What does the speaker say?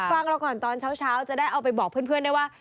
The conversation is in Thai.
ฟังเราก่อนตอนเช้าจะได้เอาไปบอกเพื่อนได้ว่า